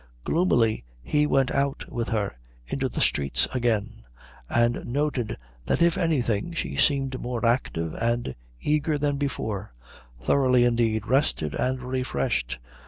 Gloomily he went out with her into the streets again and noted that if anything she seemed more active and eager than before thoroughly, indeed, rested and refreshed.